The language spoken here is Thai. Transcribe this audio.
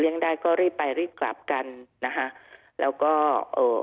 ได้ก็รีบไปรีบกลับกันนะคะแล้วก็เอ่อ